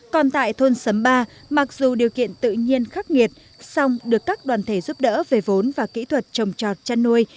còn tại thôn sấm ba mặc dù điều kiện tự nhiên khắc nghiệt song được các đoàn thể giúp đỡ về vốn và kỹ thuật trồng trọt chăn nuôi